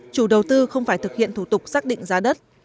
chủ đầu tư không phải thực hiện thủ tục xác định giá đất